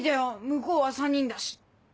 向こうは３人だし。